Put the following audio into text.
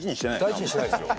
大事にしてないんすよ。